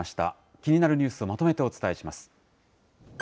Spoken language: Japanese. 気になるニュースをまとめてお伝えします。